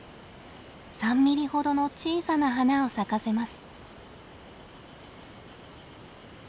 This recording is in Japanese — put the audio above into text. ３ミリほどの小さな花を咲かせます。